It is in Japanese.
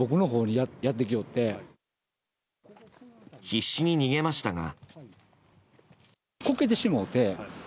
必死に逃げましたが。